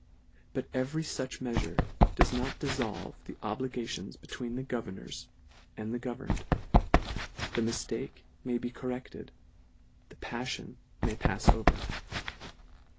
But every fuch meafure does not diifolve the obligati on between the governors and the governed ; the miftake may be corrected ; the palTion may pafs over.